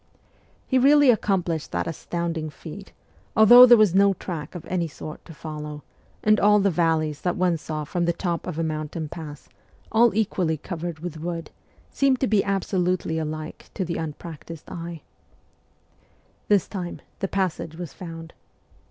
He really accomplished that astounding feat, although there was no track of any sort to follow, and all the valleys that one saw from the top of a mountain pass, all equally covered with wood, seemed to be absolutely alike to the unpractised eye. This time the passage was found.